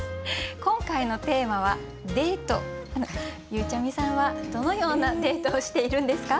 ゆうちゃみさんはどのようなデートをしているんですか？